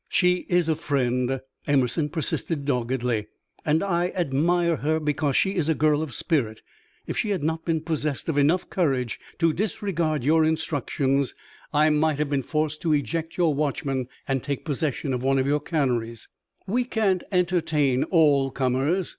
"She is a friend," Emerson persisted doggedly, "and I admire her because she is a girl of spirit. If she had not been possessed of enough courage to disregard your instructions, I might have been forced to eject your watchman and take possession of one of your canneries." "We can't entertain all comers.